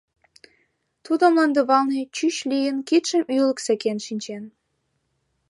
Тудо мландывалне чӱч лийын, кидшым ӱлык сакен шинчен.